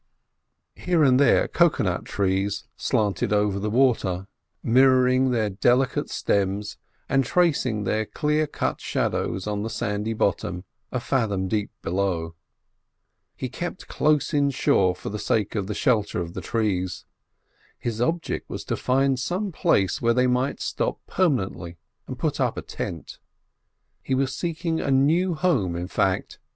Here and there cocoa nut trees slanted over the water, mirroring their delicate stems, and tracing their clear cut shadows on the sandy bottom a fathom deep below. He kept close in shore for the sake of the shelter of the trees. His object was to find some place where they might stop permanently, and put up a tent. He was seeking a new home, in fact.